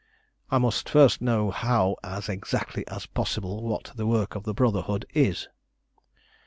"I must first know as exactly as possible what the work of the Brotherhood is."